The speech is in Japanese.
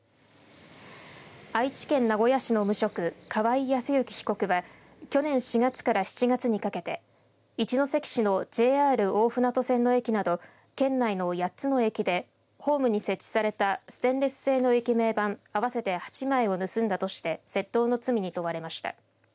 愛知県名古屋市の無職河合靖之被告は去年４月から７月にかけて一関市のＪＲ大船渡線の駅など県内の８つの駅でホームに設置されたステンレス製の駅名板合わせて８枚を盗んだとして窃盗の罪に問われました。